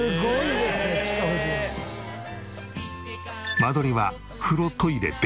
間取りは風呂トイレ別。